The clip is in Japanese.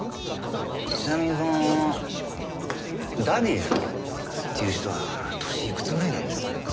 ちなみにそのダディさんっていう人は年いくつぐらいなんです？